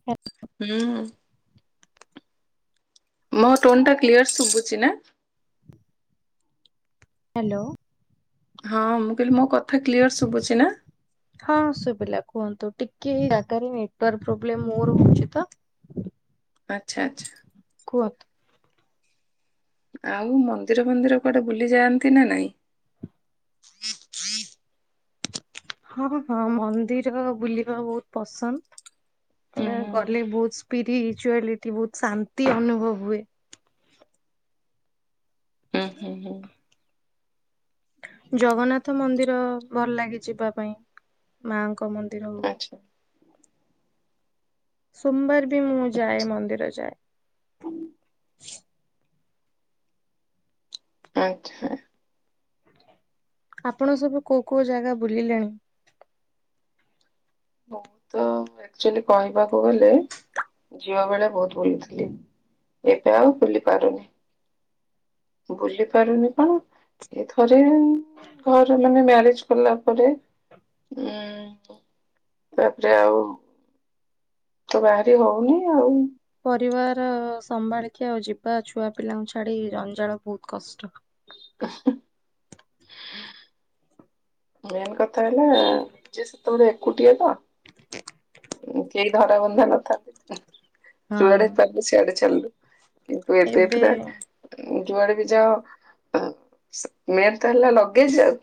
[unintelligible] ହୁଁ। ମୋ ଟୋନ୍ ଟା କ୍ଲିୟର ଶୁଭୁଛି ନା? ହ୍ୟାଲୋ। ହଁ ମୁଁ କହିଲି ମୋ କଥା କ୍ଲିୟର ଶୁଭୁଛି ନା? ହଁ ଶୁଭିଲା କୁହନ୍ତୁ। ଟିକେ ଏ ଜାଗାରେ ନେଟୱର୍କ ପ୍ରୋବଲମ୍ ମୋର ହଉଛି ତ ଆଚ୍ଛା ଆଚ୍ଛା। କୁହନ୍ତୁ? ଆଉ ମନ୍ଦିର ଫନ୍ଦିର କୁଆଡେ ବୁଲି ଯାଆନ୍ତି ନା ନାଇଁ? ହଁ ହଁ ହଁ ମନ୍ଦିର ବୁଲିବା ବହୁତ ପସନ୍ଦ। ହୁଁ ଏ ହୁଁ ଗଲେ ବହୁତ ସ୍ପିରିଚୁଆଲିଟି ବହୁତ ଶାନ୍ତି ଅନୁଭବ ହୁଏ। ଉଁ ହୁଁ ହୁଁ। ଜଗନ୍ନାଥ ମନ୍ଦିର ଭଲ ଲାଗେ ଯିବା ପାଇଁ। ମାଙ୍କ ମନ୍ଦିର ହଉ ଆଚ୍ଛା ସୋମବାର ବି ମୁଁ ଯାଏ, ଆଚ୍ଛା ମନ୍ଦିର ଯାଏ। ଆଚ୍ଛା। ଆପଣ ସବୁ କୋଉ କୋଉ ଜାଗା ବୁଲିଲେଣି? ମୁଁ ତ ଆକ୍ଚୁଆଲି କହିବାକୁ ଗଲେ, ଝିଅ ବେଳେ ବହୁତ ବୁଲିଥିଲି। ଏବେ ଆଉ ବୁଲି ପାରୁନି। ବୁଲି ପାରୁନି କଣ ଏ ଥରେ ଘରେ, ମାନେ ମ୍ୟାରେଜ କଲା ପରେ, ଉଁ ତାପରେ ଆଉ ତ ବାହାରି ହଉନି ଆଉ ପରିବାର ସମ୍ଭାଳିକିଆ ଆଉ ଯିବା ଛୁଆ ପିଲାଙ୍କୁ ଛାଡି ଜଞ୍ଜାଳ ବହୁତ କଷ୍ଟ ହ ମେନ୍ କଥା ହେଲା ନିଜେ ସେତେବେଳେ ଏକୁଟିଆ ତ କେହି ଧରା ବନ୍ଧା ନଥାନ୍ତି। ଯୁଆଡେ ହଁ ଚାଲିଲୁ ସେଆଡେ ଚାଲିଲୁ କିନ୍ତୁ ଏବେ ପୁରା ଯୁଆଡେ ବି ଯାଅ ମେନ ତ ହେଲା ଲଗେଜ ଆଉ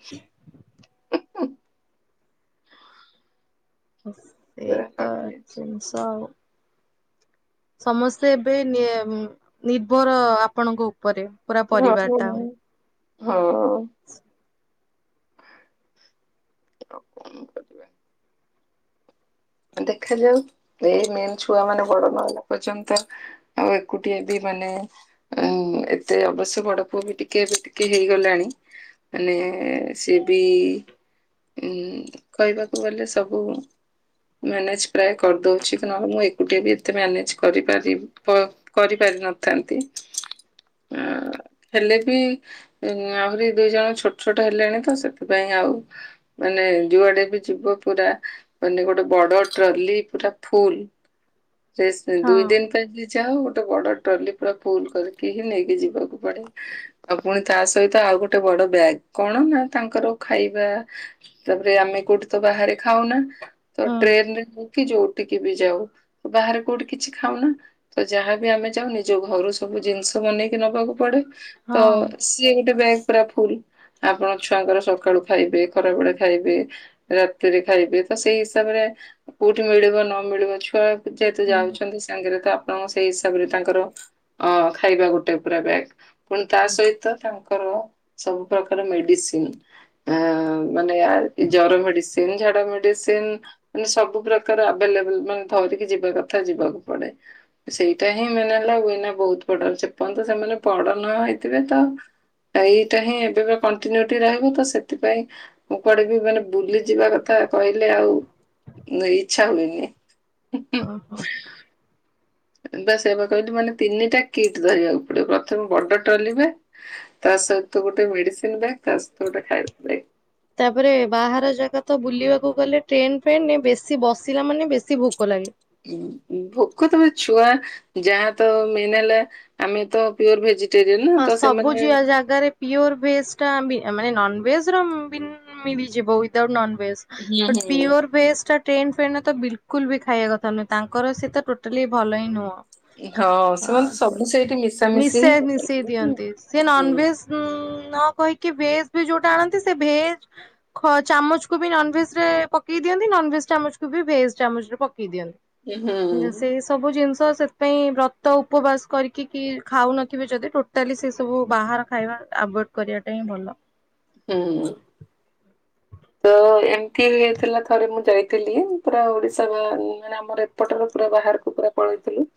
ବ ସେଇ ପୁରା ତ ଲଗେଜ। ଜିନିଷ ଅଉ। ସମସ୍ତେ ଏବେ ନିବର ଆପଣଙ୍କ ଉପରେ। ପୁରା ପରିବାର ହଁ ଟା। [unintelligible] ହଁ କ କରିବା। ଦେଖାଯାଉ ଏଇ ମେନ୍ ଛୁଆ ମାନେ ବଡ ନହଲା ପର୍ଯ୍ୟନ୍ତ ଆଉ ଏକୁଟିଆ ବି ମାନେ ଆ ଏତେ ଅବଶ୍ୟ ବଡ ପୁଅ ବି ଟିକେ ଏବେ ଟିକେ ହେଇଗଲାଣି ମାନେ ସିଏ ବି ଉ କହିବାକୁ ଗଲେ ସବୁ ମ୍ୟାନେଜ ପ୍ରାୟ କରିଦଉଛି କି ନହେଲେ ମୁଁ ଏକୁଟିଏ ବି ଏତେ ମ୍ୟାନେଜ କରିପାରି ବ କରିପାରିନଥାନ୍ତି। ଆ ହେଲେ ବି ଆହୁରି ଦୁଇ ଜଣ ଛୋଟ ଛୋଟ ହେଲେଣି ତ ସେଥିପାଇଁ ଆଉ ମାନେ ଯୁଆଡେ ବି ଯିବ ପୁରା ମାନେ ଗୋଟେ ବଡ ଟ୍ରଲି ପୁରା ଫୁଲ, ହଁ ଦୁଇ ଦିନ ପାଇଁ ଯ ଯାଅ ଗୋଟେ ବଡ ଟ୍ରଲି ପୁରା ଫୁଲ କରିକି ହିଁ ନେଇକି ଯିବାକୁ ପଡେ। ଆଉ ପୁଣି ତା ସହିତ ଆଉ ଗୋଟେ ବଡ ବ୍ୟାଗ କଣ ନା ତାଙ୍କର ଖାଇବା ତାପରେ ଆମେ କୋଉଠି ତ ବାହାରେ ଖାଉନା ତ ହଁ ଟ୍ରେନ [unintelligible] କି ଯୋଉ ଟିକି ବି ଯାଉ ବାହାରେ କୋଉଠି କିଛି ଖାଉନା। ତ ଯାହାବି ଆମେ ଯାଉ ନିଜ ଘରୁ ସବୁ ଜିନିଷ ବନେଇକି ନବାକୁ ପଡେ। ତ ହଁ। ଗୋଟେ ବ୍ୟାଗ ପୁରା ଫୁଲ। ଆପଣ ଛୁଆଙ୍କର ସକାଳୁ ଖାଇବେ ଖରା ବଳେ ଖାଇବେ ରାତିରେ ଖାଇବେ ତ ସେଇଶ ହିସାବରେ କୋଉଠି ମିଳିବ ନ ମିଳିବ ଛୁଆ ଯେହେତୁ ଯାଉଛନ୍ତି ସାଙ୍ଗରେ ତ ତ ସେଇ ହିସାବରେ ତାଙ୍କର ଅ ଖାଇବା ଗୋଟେ ପୁରା ବ୍ୟାଗ ପୁଣି ତା ସହିତ ତା ଙ୍କର ସବୁ ପ୍ରକାର ମେଡିସିନ। ଆ ମାନେ ଜର ମେଡିସିନ ଝାଡା ମେଡିସିନ। ମାନେ ସବୁ ପ୍ରକାର ଆଭେଲେବଲ ମାନେ ଧରିକି ଯିବା କଥା ଯିବାକୁ ପଡେ। ସେଇଟା ହିଁ ମାନେ ହେଲା ହୁଏନା ବହୁତ ପଡ ସେପର୍ଯ୍ୟନ୍ତ ସେମାନେ ପଡ ନ ହେଇଥିବେ ତ ଏଇଟା ହିଁ ଏବେ ବି କଣ୍ଟିନ୍ୟୁଟି ରହିବ ତ ସେଥିପାଇଁ ମୁଁ କୁଆଡେିବି ମାନେ ବୁଲି ଯିବା କଥା କହିଲେ ଆଉ ଇଚଛା ହୁଏନି। ଓହୋ ବା ସେ ବା କହିଲି ମାନେ ତିନିଟା କିଟ୍ ଧରିବାକୁ ପଡିବ ପ୍ରଥମେ ବଡ ଟ୍ରଲି ବ୍ୟଗ, ତା ସହିତ ଗୋଟେ ମେଡିସିନ ବଗ ତା ସହିତ ଗୋଟେ ଖାଇବା ବ୍ୟଗ। ତାପରେ ବାହାର ଜାଗା ତ ବୁଲିବାକୁ ଗଲେ ଟ୍ରେନ ଫ୍ରେନ ବେଶୀ ବସିଲା ମାନେ ବେଶୀ ଭୋକ ଲାଗେ। ଭୋକ ତମ ଛୁଆ ଯାହା ତ ମେନ୍ ହେଲା ଆମେ ତ ପିଓର ଭେଜି [unintelligible] ନା ହଁ ତ ସବୁ ସେମାନେ ଯା ଜାଗାରେ ପିଓର ଭେଜ ଟା ମାନେ ନନଭେଜ ର ମିଳିଯିବ ବିଡାଉଟ ନନଭେଜ। ହୁଁ ହୁଁ ପିଓର ଭେଷ୍ଟ ଟା ଟ୍ରେନ ଫ୍ରେନ ତ ବିଲକୁଲ ବି ଖାଇବା କଥା ନୁହଁ ତାଙ୍କର ସେ ତ ଟୋଟାଲି ଭଲ ହିଁ ନୁହଁ। ସେମାନେ ହଁ ତ ସବୁ ସେଇଠି ମିଶାମିଶି ହିଁ ମିଶେଇ ମିଶେଇ କରନ୍ତି ନା। ଦିଅନ୍ତି ସିଏ ହୁଁ। ନନଭେଜ ଉଁ ନ କହିକି ଭେଜ ବି ଯୋଉଟା ଆଣନ୍ତି ସେ ଭେଜ ଚାମଚକୁ ବି ନନ ଭେଜ ରେ ପକେଇ ଦିଅନ୍ତି ନନ ଭେଜ ଚାମଚକୁ ବି ଭେଜ ଚାମଚ ରେ ପକେଇ ହୁଁ ଦିଅନ୍ତି। [unintelligible] ସବୁ ଜିନିଷ ସେଥିପାଇଁ ବ୍ରତ ଉପବାସ କରିକି କି ଖାଉନଥିବେ ଯଦି ଟୋଟାଲି ସେ ସବୁ ବାହାର ଖାଇବା ଆଭଏଡ କରିବାଟା ହିଁ ଭଲ। ହୁଁ ତ ତ ଏମିତି ହେଇଥିଲା ଥରେ ମୁଁ ଯାଇଥିଲି ପୁରା ଓଡିଶା ବା ମାନେ ଆମର ଏପଟରେ ପୁରା ବାହାରକୁ ପୁରା ପଳେଇଥିଲୁ।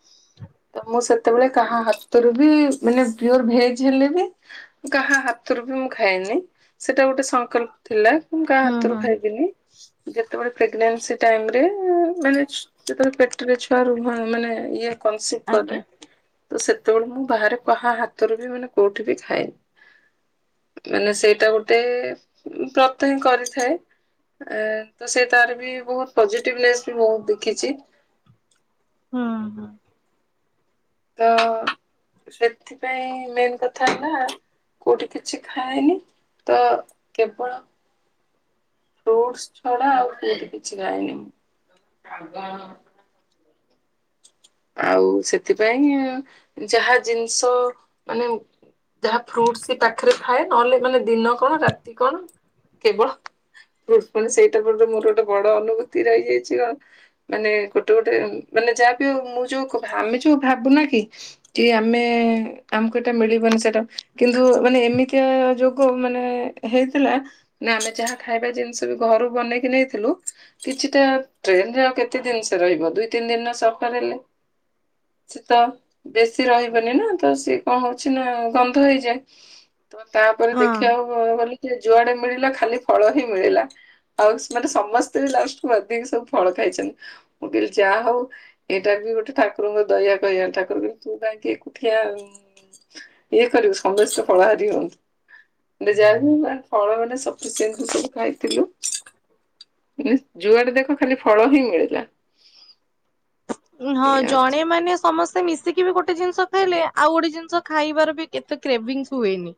ତ ମୁଁ ସେତେବେଳେ କାହା ହାତରୁ ବି ମାନେ ପିଓର୍ ଭେଜ୍ ହେଲେ ବି ମୁଁ କାହା ହାତରୁ ବି ମୁଁ ଖାଏନି। ସେଟା ଗୋଟେ ସଂକଳ୍ପ ଥିଲା ମୁଁ କାହା ହୁଁ ହାତରୁ ହୁଁ ଖାଇବିନି। ଯେତେବେଳେ ପ୍ରେଗନନ୍ସି ଟାଇମ୍ ରେ ମାନେ ଯେତେବେଳେ ପେଟରେ ଛୁଆ ରୁହ ମାନେ ଇଏ କନସିଭ୍ କରେ ଆଜ୍ଞା ତ ସେତେବେଳେ ମୁଁ ବାହାରେ କାହା ହାତରୁ ବି ମାନେ କୋଉଠି ବି ଖାଏନି। ମାନେ ସେଇ ଟା ଗୋଟେ ବ୍ରତ ହିଁ କରିଥାଏ। ଏ ତ ସେ ତାର ବି ବହୁତ ପଜିଟିଭନେସ୍ ବି ବହୁତ ଦେଖିଛି। ହଁ, ହଁ। ତ ସେଥିପାଇଁ ମେନ୍ କଥା ହେଲା କୋଉଠି କିଛି ଖାଏନି। ତ କେବଳ ଫ୍ରୁଟ୍ସ ଛଡା ଆଉ କୋଉଠି କିଛି ଖାଏନି ମୁଁ। ଆଉ ସେଥିପାଇଁ ଯାହା ଜିନିଷ ମାନେ ଯାହା ଫ୍ରୁଟ୍ସ ସେ ପାଖରେ ଥାଏ, ନଲେ ମାନେ ଦିନ କଣ ରାତି କଣ କେବଳ ଫ୍ରୁଟ୍ସ ପୁଣି ସେଇଟା ପରେ ତ ମୋର ଗୋଟେ ବଡ ଅନୁଭୂତି ରହିଯାଇଛି ଅ,। ମାନେ ଗୋଟେ ଗୋଟେ ମାନେ ଯାହା ବି ହଉ ମୁଁ ଯୋଉ କ- ଆମେ ଯୋଉ ଭାବୁନା କି କି ଆମେ ଆମକୁ ଏଟା ମିଳିବନି ସେଟା କିନ୍ତୁ ମାନେ ଏମିତିଆ ଯୋଗ ମାନେ ହେଇଥିଲା ନା ଆମେ ଯାହା ଖାଇବା ଜିନିଷ ବି ଘରୁ ବନେଇକି ନେଇଥିଲୁ କିଛିଟା ଟ୍ରେନ୍ ରେ ଆଉ କେତେ ଦିନ ସେ ରହିବ ଦୁଇ ତିନି ଦିନ ର ସଫର ହେଲେ। ସେ ତ ବେଶୀ ରହିବନି ନା ତ ସିଏ କଣ ହଉଛି ନା ଗନ୍ଧ ହେଇଯାଏ। ତ ତାପରେ ହଁ। ଦେଖିବାକୁ ଗ-ଗଲି କି ଯୁଆଡେ ମିଳିଲା ଖାଲି ଫଳ ହିଁ ମିଳିଲା। ଆଉ ମାନେ ସମସ୍ତେ ବି ଲାଷ୍ଟ କୁ ଅଧିକ ସବୁ ଫଳ ଖାଇଛନ୍ତି। ମୁଁ କହିଲି ଯା ହଉ ଏଇଟା ବି ଗୋଟେ ଠାକୁରଙ୍କ ଦୟା କହିବା ଠାକୁର କହିଲେ ତୁ କାହିଁକି ଏକୁଠିଆ ଉଁ, ଇଏ କରିବୁ ସମସ୍ତେ ଫଳହାରି ହୁଅନ୍ତୁ। ଦେ ଯାହା ବି ହଉ ବା ଫଳ ମାନେ ସଫିସେଣ୍ଟ [inaudible] ସବୁ ଖାଇଥିଲୁ। [unintelligible] ଯୁଆଡେ ଦେଖ ଖାଲି ଫଳ ହିଁ ମିଳିଲା। ଉଁ, ହଁ ଏଇଆ ହଉଛି। ଜଣେ ମାନେ ସମସ୍ତେ ମିଶ ଶିକି ବି ଗୋଟେ ଜିନିଷ ଖାଇଲେ ଆଉ ଗୋଟେ ଜିନିଷ ଖାଇବାର ବି କେତେ କ୍ରେଭିଂସ୍ ହୁଏନି।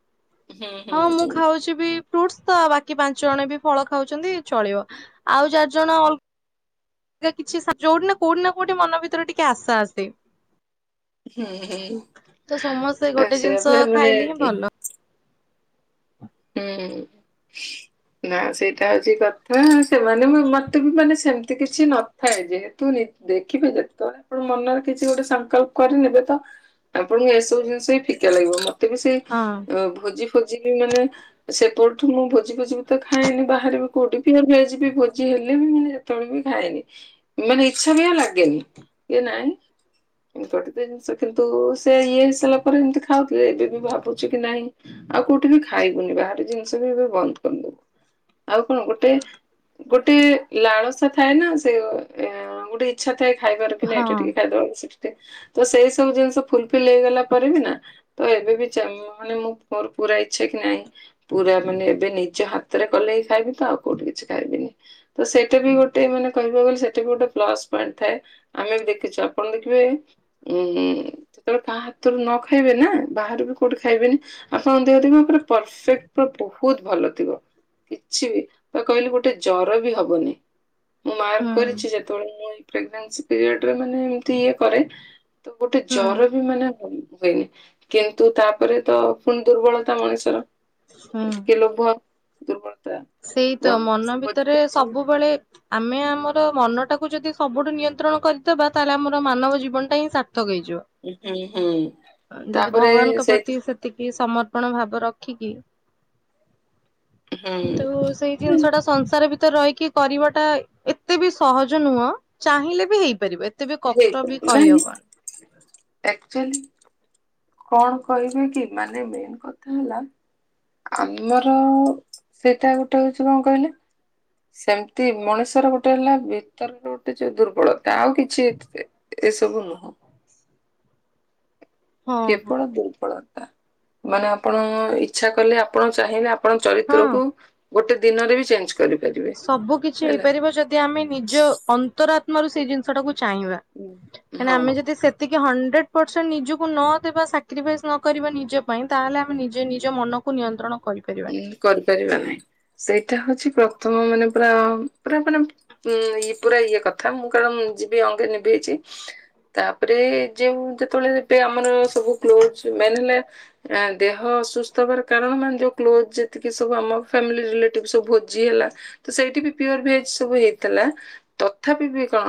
ହୁଁ ହୁଁ ହଁ ମୁଁ ଖାଉଛି ବି ଫ୍ରୁଟସ୍ ତ ବାକି ପାଞ୍ଚ ଜଣ ବି ଫଳ ଖାଉଛନ୍ତି ଚଳିବ, ଆଉ ଚାରି ଜଣ ଅ ଯ- କିଛି ଯୋଉଠି ନା କୋଉଠି ନା କୋଉଠି ମନ ଭିତରେ ଟିକେ ଆଶା ଆସେ। ହୁଁ ହୁଁ ହୁଁ ତ ସମସ୍ତେ ଗୋଟେ ସେଇଆ ଜିନିଷ ପରା ମାନେ ଖାଇଲେ ହିଁ ଭଲ। ହୁଁ, ନା ସେଇଟା ହଉଛି କଥା, ସେମାନେ ବି ମୋତେ ବି ମାନେ ସେମ ତି କିଛି ନଥାଏ, ଯେହେତୁ ନେ-ଦେଖିବେ ଯେତେବେଳେ ଆପଣ ମନରେ କିଛି ଗୋଟେ ସଂକଳ୍ପ କରିନେବେ ତ ଆପଣଙ୍କୁ ଏସବୁ ଜିନିଷ ହିଁ ଫିକା ଲାଗିବ ମୋତେ ବି ସେ ହଁ ଅ, ଭୋଜି ଫୋଜି କି ବି ମାନେ ସେପଠୁ ମୁଁ ଭୋଜି ଫୋଜି ବି ତ ଖାଏନି ବାହାରେ ବି କୋଉଠି। ପିଅର୍ ଭେଜ୍ ବି ଭୋଜି ହେଲେ ବି ମୁଁ ଯେ ତେବେଳେ ବି ଖାଏନି, ମାନେ ଇଚ୍ଛା ବି ଲାଗେନି ଇଏ ନାଇଁ ଏମିତି ତ ଟେ ଦିନିଷ କିନ୍ତୁ ସେ ଇଏ ହେଇସାରିଲା ପରେ ମୁଁ ତ ଖାଉଥିଲେ ଏବେ ବି ଭାବୁଛୁ କି ନାହିଁ ଆଉ କୋଉଠି ବି ଖାଇବୁନି ବାହାରେ ଜିନିଷ ବି ଏବେ ବନ୍ଦ କରିଦବୁ। ଆଉ କଣ ଗୋଟେ ଗୋଟେ ଲାଳସା ଥାଏ ନା, ସେ ଗୋ- ଏଅ ଗୋଟେ ଇଚ୍ଛା ଥାଏ ଖାଇବାର କି ନା ହଁ ଏଟା ଟିକେ ଖାଇଦବାବେଳକୁ ସେଠି ଟେ, ତ ସେଇ ସବୁ ଜିନିଷ ଫୁଲ ଫିଲ୍ ହେଇଗଲା ପରେ ବି ନା ତ ଏବେ ବି ଚା ମାନେ ମୁଁ ମୋର ପୁରା ଇଚ୍ଛା କି ନାଇ ପୁରା ମାନେ ଏବେ ନିଜ ହାତରେ କଲେ ହି ଖାଇବି ତ ଆଉ କୋଉଠି କିଛି ଖାଇବିନି। ତ ସେଇଟା ବି ଗୋଟେ, ମାନେ କହିବାକୁ ଗଲେ, ସେଟା ବି ଗୋଟେ ପ୍ଲସ୍ ପଏଣ୍ଟ ଥାଏ। ଆମେ ବି ଦେଖିଛୁ, ଆପଣ ଦେଖିବେ, ଉଁ ଯେତେବେଳେ କାହା ହାତରୁ ନ ଖାଇବେ ନା, ବାହାରୁ ବି କୋଉଠି ଖାଇବେନି, ଆପଣ ଦେହ ଦେ ପୁରା ପରଫେକ୍ଟ, ପୁରା ବହୁତ ଭଲ ଥିବ। କିଛି, ବା କହିଲି ଗୋଟେ ଜର ବି ହବନି। ମୁଁ ମାର୍କ ହୁଁ କରିଚି ଯେତେବେଳେ, ମୁଁ ପ୍ରେଗେନେସି ପିରିଅଡରେ ମାନେ ଏମିତି ଇଏ କରେ। ତ ଗୋଟେ ହୁଁ ଜର ବି ମାନେ ହୁଏନି, କିନ୍ତୁ ତାପରେ ତ ପୁଣି ଦୁର୍ବଳ ମଣିଷର, ହୁଁ। ଟିକେ ଲୋଭ ଦୁର୍ବଳତା ସେଇ ତ, ମନ ଭିତରେ ବୁଝିପାରୁଛି ସବୁବେଳେ ଆମେ ଆମର ମନ ଟାକୁ ଯଦି ସବୁଠୁ ନିୟନ୍ତ୍ରଣ କରିଦବା, ତାହେଲେ ଆମର ମାନବ ଜୀବନ ଟା ହିଁ ସାର୍ଥକ ହୁଁ ହୁଁ ହେଇଯିବ। ଯଦି ତାପରେ ଭଗବାନଙ୍କ ସେଇଥି ପ୍ରତି ସେତିକି ସମର୍ପଣ ଭାବ ରଖିକି ହୁଁ କିନ୍ତୁ, ସେଇ ଜିନିଷଟା ସଂସାର ଭି ରହିକି କରିବାଟା ଏତେ ବି ସହଜ ନୁହଁ, ଚାହିଁଲେ ବି ହେଇପାରିବେ। ଏତେବି କଷ୍ଟ ବି, କହିହବନି। ଏକୁଚୁଆଲି କଣ କହିବେ କି? ମାନେ ମେନ୍ କଥା ହେଲା ଆମର, ସେଇଟା ଗୋଟେ ହଉଛି କଣ କହିଲେ ସେମିତି ମଣିଷର ଗୋଟେ ହେଲା ଭିତରର ଗୋଟେ ଯୋଉ ଦୁର୍ବଳତା, ଆଉ କିଛି ଏଥି ଏସବୁ ନୁହଁ। ହଁ ହଁ। କେବଳ ଦୁର୍ବଳତା, ମାନେ ଆପଣ ଇଛା କଲେ, ଆପଣ ଚାହିଁଲେ ଆପଣ ହଁ ଚରିତ୍ରକୁୁ, ଗୋଟେ ଦିନରେ ବି ଚେଞ୍ଜ କର ସବୁ କିଛି ହେଇପାରିବ, ଯଦି ଯଦି ଆମେ ନିଜ ଅନ୍ତରାତ୍ମା ରୁ ସେଇ ଜିନିଷ ଟାକୁ ଚାହିଁବା, ଉଁ, କାହିଁ ନା ହଁ ଆମେ ଯଦି କି ହଣ୍ଡ୍ରେଡ ପରସେଣ୍ଟ ନିଜକୁ ନ ଦେବା ସାକ୍ରିଫାଇସ୍ ନ କରିବା ନିଜ ପାଇଁ, ତାହେଲେ ଆମେ ନିଜେ ନିଜ ମନ କୁ ନିୟନ୍ତ୍ରଣ କରିପାରିବାନି। କରିପାରିବା ନାହିଁ, ସେଇଟା ହଉଛି ପ୍ରଥମ ମାନେ ପୁରା, ପୁରା ମାନେ ହଁ, ଇ ପୁରା ଇଏ କଥା, ମୁଁ କାରଣ ଯିବି ଅଙ୍ଗେ ନିଭେଇଛି। ତାପରେ, ଯଉ ଯେତେବେଳେ ଏବେ ଆମର ସବୁ କ୍ଲୋଜ, ମେନ୍ ହେଲା ଏ, ଦେହ ଅସୁସ୍ଥ ହବାର କାରଣ -ମାନେ ଯୋଉ କ୍ଲୋଜ୍ ଯେତିକି ସବୁ, ଆମ ଫ୍ୟାମିଲି ରିଲେଟିଭ୍ ସବୁ ଭୋଜି ହେଲା ତ ସେଇଠି ବି ପିଓର ଭେଜ ସବୁ ହେଇଥିଲା, ତଥାପି ବି କଣ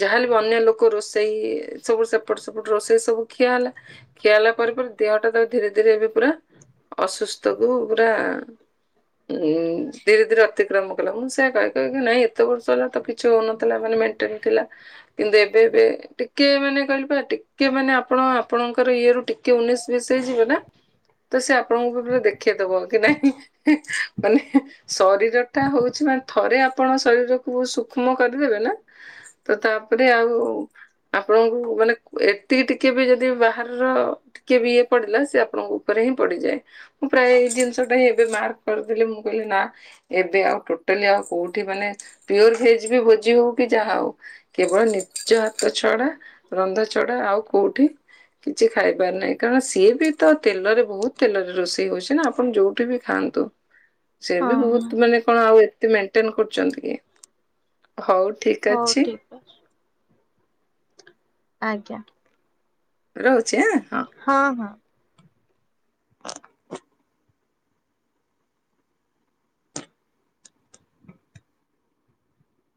ଯାହାହେଲେ ବି ଅନ୍ୟ ଲୋକ ରୋଷେଇ, ସବୁ ସେପଟ ସେପଟ ରୋଷେଇ ସବୁ ଖିଆ ହେଲା। ଖିଆ ହେଲା ପରେ ପରେ, ଦେହଟା ତା ଧୀରେ ଧୀରେ ଏବେ ପୁରା ଅସୁସ୍ଥକୁ ପୁରା ଉଁ ଧୀରେ ଧୀରେ ଅତିକ୍ରମ କଲା, ମୁଁ ସେୟଆ କହେ, କହେ ନାଇଁ ଏତେ ବର୍ଷ ହେଲା ତ କିଛି ହଉନଥିଲା, ମାନେ ମେନ ଟେନ ଥିଲା। କିନ୍ତୁ ଏବେ ଏବେ, ଟିକେ ମାନେ କହିଲିପା ଟିକେ ମାନେ ଆପଣ ଆପଣଙ୍କର ଇଏ ରୁ ଟି କି ଉନେଇଶି ବିଶଇ ଯିବେ ନା, ତ ସେ ଆପଣଙ୍କୁ ବି ପ ଦେଖେଇଦବ କି ନାଇଁ ମାନେ ଶରୀର ଟା ହଉଛି ମାନେ ଥରେ ଆପଣ ଶରୀରକୁ ସୂକ୍ଷ୍ମ କରିଦେବେ ନା ତ ତାପରେ ଆଉ ଆପଣଙ୍କୁ ମାନେ, ଏତିକି ଟିକେ ବି ଯଦି ବାହାରର ଟିକେ ବି ଇଏ ପଡିଲା, ସେ ଆପଣଙ୍କ ଉପରେ ହିଁ ପଡିଯାଏ। ମୁଁ ପ୍ରାୟ ଏଇ ଜିନିଷଟା ଏବେ ମାର୍କ କରିଦେଲି, ମୁଁ କହିଲି ନା ଏବେ ଆଉ ଟୋଟାଲି, ଆଉ କୋଉଠି ମାନେ, ପିଓର ଭେଜ ବି ଭୋଜି ହଉ କି, ଯାହା ହଉ କେବଳ ନିଜ ହାତ ଛଡା, ରନ୍ଧା ଛଡା ଆଉ କୋଉଠି କିଛି ଖାଇ ପାରି ନାହିଁ, କାରଣ ସିଏ ବି ତ ତେଲରେ ବୋହୁତ୍ ତେଲରେ ରୋଷେଇ ସେ ହୋଉଛି ନା ଆପଣ ଯୋଉଠି ବି ଖାଆନ୍ତୁ, ସେ ହଁ ବି ହଁ ବୋହୁତ୍ ମାନେ ଆପଣ ଆଉ ଏତେ ମେଣ୍ଟେନ୍ କରୁଛନ୍ତି କି? ହୋଉ ଠିକ୍ ହଉ ଅଛି। ଠିକ ଅଛି। ଆଜ୍ଞା। ରହୁଛି ଆଁ? ହଁ ହଁ।